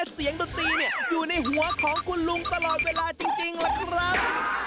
เสียงดนตรีอยู่ในหัวของคุณลุงตลอดเวลาจริงล่ะครับ